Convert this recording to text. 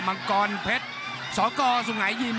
มังกรเพชรสกสุงหายิม